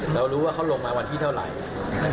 เรารู้ว่าเขาลงมาวันที่เท่าไหร่